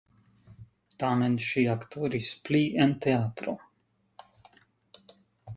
Tamen ŝi aktoris pli en teatro.